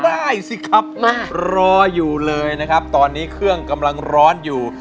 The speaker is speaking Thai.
ได้สิครับรออยู่เลยนะครับตอนนี้เครื่องกำลังร้อนอยู่